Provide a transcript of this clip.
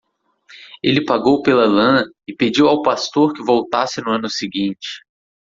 Ele pagou pela lã e pediu ao pastor que voltasse no ano seguinte.